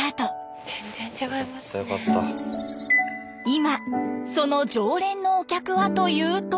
今その常連のお客はというと。